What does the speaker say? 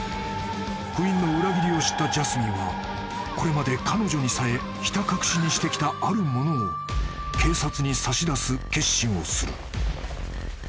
［クインの裏切りを知ったジャスミンはこれまで彼女にさえひた隠しにしてきたある物を警察に差し出す決心をする］